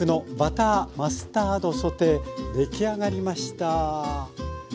出来上がりました。